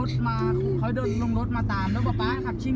แต่ว่ามันแถ่งจะตามเพราะว่ามันเขาจะลง